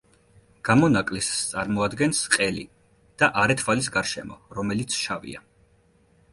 გამონაკლისს წარმოადგენს ყელი და არე თვალის გარშემო, რომელიც შავია.